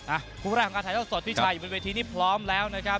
คู่แรกของการถ่ายเท่าสดพี่ชายอยู่บนเวทีนี้พร้อมแล้วนะครับ